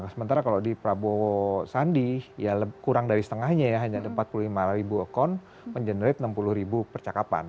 sementara kalau di prabowo sandi ya kurang dari setengahnya ya hanya ada empat puluh lima ribu akun mengenerate enam puluh ribu percakapan